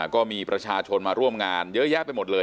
ก็มีประชาชนมาร่วมงานเยอะแยะไปหมดเลย